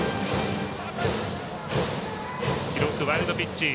記録、ワイルドピッチ。